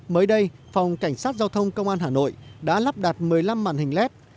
mới đây phòng cảnh sát giao thông công an hà nội đã lắp đặt một mươi năm màn hình led